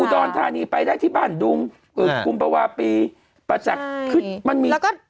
อุดรทานีไปได้ที่บ้านดุงอึดกุมปวะปยปะจักรคือมันมี